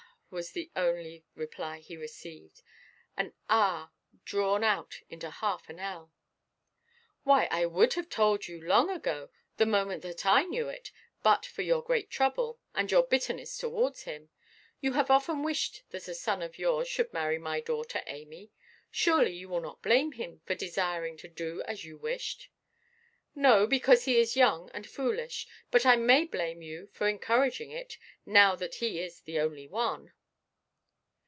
was the only reply he received: an "ah" drawn out into half an ell. "Why, I would have told you long ago, the moment that I knew it, but for your great trouble, and your bitterness towards him. You have often wished that a son of yours should marry my daughter Amy. Surely you will not blame him for desiring to do as you wished?" "No, because he is young and foolish; but I may blame you for encouraging it, now that he is the only one."